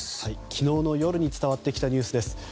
昨日の夜に伝わってきたニュースです。